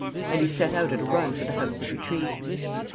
And he set out at a run for the House of Retreat.